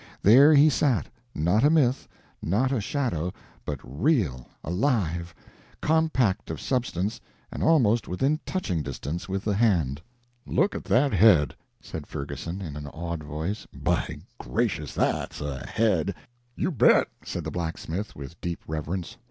There he sat not a myth, not a shadow, but real, alive, compact of substance, and almost within touching distance with the hand. "Look at that head!" said Ferguson, in an awed voice. "By gracious! that's a head!" "You bet!" said the blacksmith, with deep reverence.